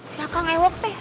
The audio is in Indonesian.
siapkan ayo waktu deh